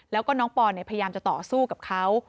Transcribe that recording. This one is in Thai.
แล้วก็น้องปอนพยายามจะต่อสู้กับเขา